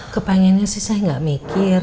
kepengennya sih saya gak mikir